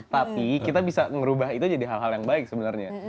tapi kita bisa merubah itu jadi hal hal yang baik sebenarnya